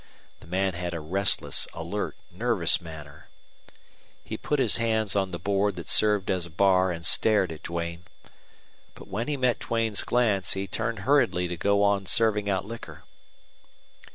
The man had a restless, alert, nervous manner. He put his hands on the board that served as a bar and stared at Duane. But when he met Duane's glance he turned hurriedly to go on serving out liquor.